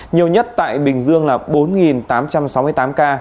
nhiều nhất tại bình dương là bốn tám trăm sáu mươi tám ca